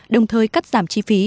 đồng thời cắt giảm chi phí